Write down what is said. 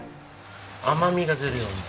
甘みが出るように。